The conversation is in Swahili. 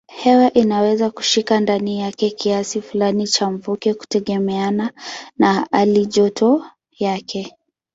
Hewa inaweza kushika ndani yake kiasi fulani cha mvuke kutegemeana na halijoto yake.